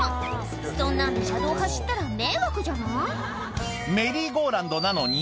そんなんで車道を走ったら迷惑じゃない？